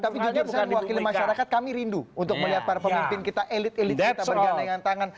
tapi juga saya wakil masyarakat kami rindu untuk melihat para pemimpin kita elit elit kita berganda dengan tangan